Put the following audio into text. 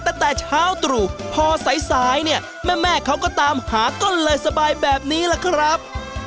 แต่เช้าตรู่พอสายเนี่ยแม่เขาก็ตามหาก็เลยสบายแบบนี้ล่ะครับ